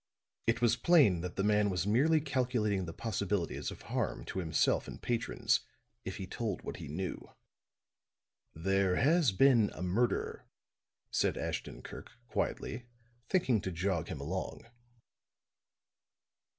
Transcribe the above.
It was plain that the man was merely calculating the possibilities of harm to himself and patrons if he told what he knew. "There has been a murder," said Ashton Kirk, quietly, thinking to jog him along.